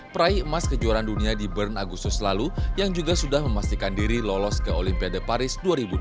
peraih emas kejuaraan dunia di bern agustus lalu yang juga sudah memastikan diri lolos ke olimpiade paris dua ribu dua puluh